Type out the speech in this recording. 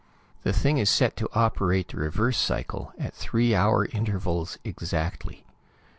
The thing is set to operate the reverse cycle at three hour intervals exactly.